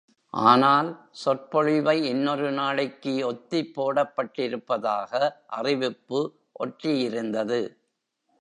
ஆனால், சொற்பொழிவை இன்னொரு நாளைக்கு ஒத்திப்போடப்பட்டிருப்பதாக அறிவிப்பு ஒட்டியிருந்தது.